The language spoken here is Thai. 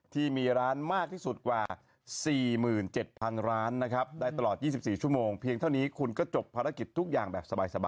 ที่มีร้านมากที่สุดกว่า๔๗๐๐ร้านนะครับได้ตลอด๒๔ชั่วโมงเพียงเท่านี้คุณก็จบภารกิจทุกอย่างแบบสบาย